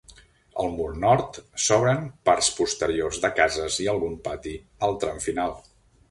Al mur nord s'obren parts posteriors de cases i algun pati al tram final.